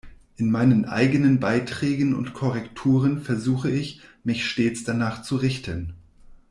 In meinen eigenen Beiträgen und Korrekturen versuche ich, mich stets danach zu richten.